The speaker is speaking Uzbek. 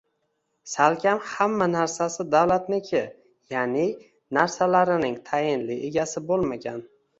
Salkam hamma narsasi davlatniki, ya’ni narsalarining tayinli egasi bo‘lmagan